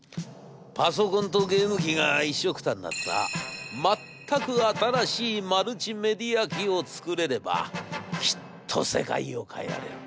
『パソコンとゲーム機がいっしょくたになった全く新しいマルチメディア機を作れればきっと世界を変えられる。